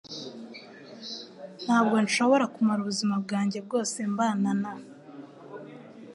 Ntabwo nshobora kumara ubuzima bwanjye bwose mbana na